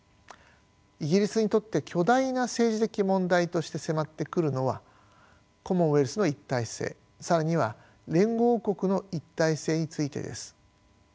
イギリスにとって巨大な政治的問題として迫ってくるのはコモンウェルスの一体性更には連合王国の一体性についてです。